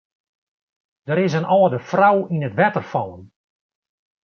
Der is in âlde frou yn it wetter fallen.